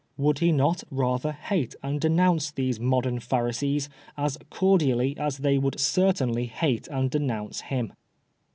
Would he not rather hate and denounce these modern Pharisees as cordially as they would certainly hate and denounce him.